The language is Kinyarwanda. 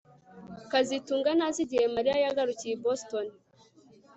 kazitunga ntazi igihe Mariya yagarukiye i Boston